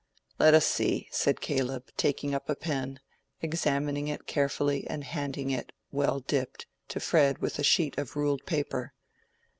"Let us see," said Caleb, taking up a pen, examining it carefully and handing it, well dipped, to Fred with a sheet of ruled paper.